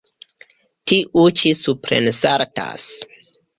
Tiu ĉi suprensaltas.